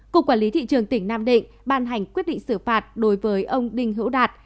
cục quản lý thị trường tỉnh nam định ban hành quyết định xử phạt đối với ông đinh hữu đạt